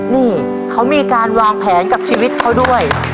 นี่เขามีการวางแผนกับชีวิตเขาด้วย